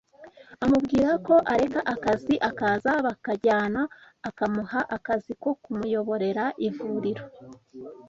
amubwira ko areka akazi akaza bakajyana akamuha akazi ko kumuyoborera ivuriro